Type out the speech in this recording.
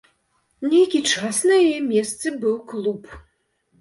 Нейкі час на яе месцы быў клуб.